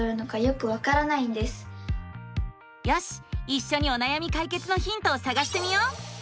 いっしょにおなやみ解決のヒントをさがしてみよう！